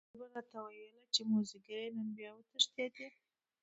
مور به راته ویل چې موزیګیه نن بیا وتښتېدې.